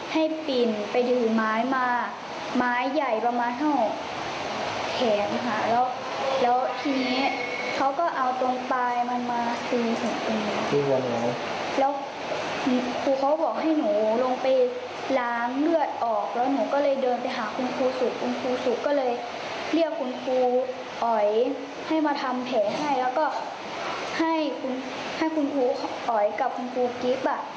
ให้มาทำแผงให้แล้วก็ให้คุณครูอ๋อยกับคุณครูกรีฟ